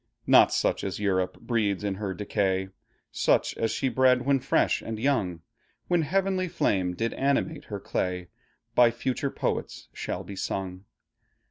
Not such as Europe breeds in her decay; Such as she bred when fresh and young, When heavenly flame did animate her clay, By future poets shall be sung.